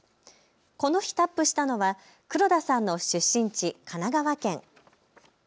この日、タップしたのは黒田さんの出身地、神奈川県。